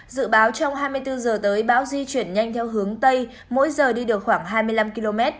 dự báo trong hai mươi bốn h tới bão di chuyển nhanh theo hướng tây mỗi giờ đi được khoảng hai mươi năm km